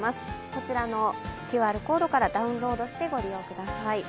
こちらのＱＲコードからダウンロードしてご覧ください。